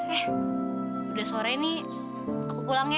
eh udah sore nih aku pulang ya